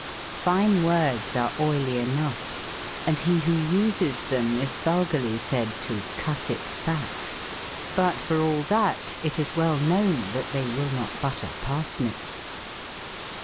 Fine words are oily en^ough, and he who uses them is vulgarly said to "cut it fat;" but for all that it is well known that they will not butter parsnips.